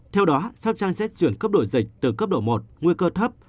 theo đó sóc trăng sẽ chuyển cấp độ dịch từ cấp độ một nguy cơ thấp